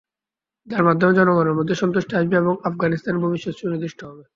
যার মাধ্যমে জনগণের মধ্যে সন্তুষ্টি আসবে এবং আফগানিস্তানের ভবিষ্যৎ সুনির্দিষ্ট হবে।